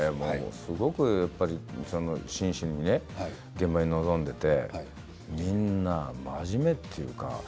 すごく真摯に現場に臨んでいてみんな真面目というか。